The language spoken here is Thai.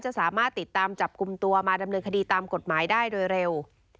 จะสามารถติดตามจับกลุ่มตัวมาดำเนินคดีตามกฎหมายได้โดยเร็ว